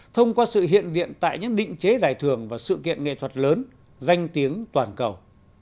thông qua sự hiện diện tại những định chế giải thưởng và sự kiện nghệ thuật lớn danh tiếng toàn cầu